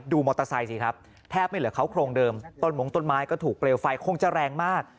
มอเตอร์ไซค์สิครับแทบไม่เหลือเขาโครงเดิมต้นมงต้นไม้ก็ถูกเปลวไฟคงจะแรงมาก